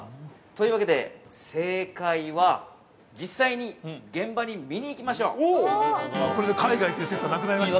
というわけで、正解は実際に現場に見に行きましょう。